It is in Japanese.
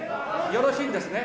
よろしいんですね？